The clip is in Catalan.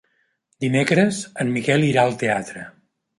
Dimecres en Miquel irà al teatre.